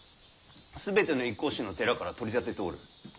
全ての一向宗の寺から取り立てておる。